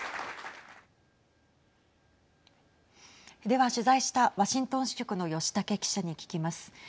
では取材したワシントン支局の吉武記者に聞きます。